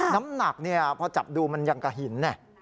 น้ำหนักพอจับดูมันยังกระหิน